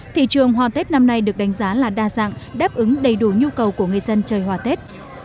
thị trường hoa tết năm nay được đánh giá là đa dạng đáp ứng đầy đủ nhu cầu của người dân chơi hoa tết